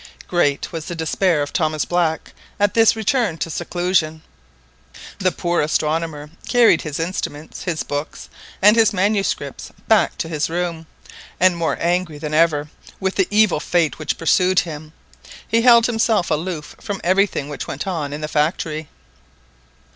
Great was the despair of Thomas Black at this return to seclusion. The poor astronomer carried his instruments, his books, and his MSS. back to his room, and more angry than ever with "the evil fate which pursued him," he held himself aloof from everything which went on in the factory.